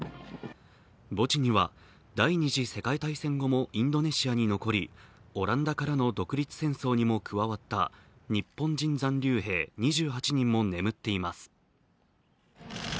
墓地には第二次世界大戦後もインドネシアに残り、オランダからの独立戦争にも加わった、日本人残留兵２８人も眠っています。